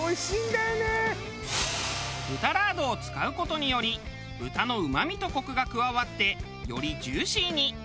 豚ラードを使う事により豚のうまみとコクが加わってよりジューシーに。